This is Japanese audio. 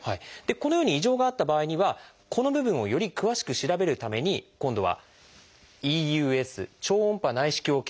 このように異常があった場合にはこの部分をより詳しく調べるために今度は「ＥＵＳ」を行います。